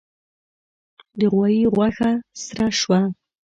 د غوايي غوښه سره شوه.